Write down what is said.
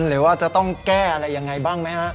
หรือว่าจะต้องแก้อะไรยังไงบ้างไหมฮะ